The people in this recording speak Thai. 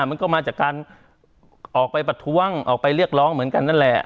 มันก็มาจากการออกไปประท้วงออกไปเรียกร้องเหมือนกันนั่นแหละ